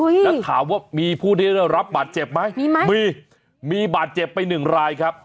นัดถามว่ามีผู้ที่ได้รับบาดเจ็บไหมมีมีบาดเจ็บไปหนึ่งลายครับ